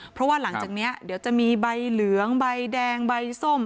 เพราะว่าหลังจากนี้เดี๋ยวจะมีใบเหลืองใบแดงใบส้ม